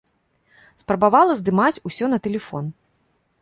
Спрабавала здымаць усё на тэлефон.